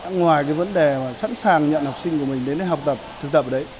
ngoài vấn đề sẵn sàng nhận học sinh của mình đến học tập thực tập